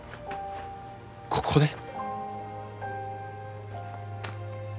ここで？